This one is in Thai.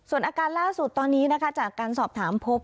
ส่วนอาการล่าสุดตอนนี้นะคะจากการสอบถามพบ